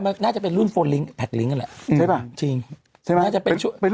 มันน่าจะเป็นรุ่นลิงค์แปสลิงคนแหละใช่ป่ะจริงใช่ป่ะน่าจะเป็น